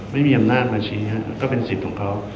ไม่มีอำนาจมาชี้ก็เป็นสิทธิ์ของเขา